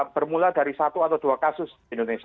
bermula dari satu atau dua kasus di indonesia